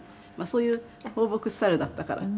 「そういう放牧スタイルだったから」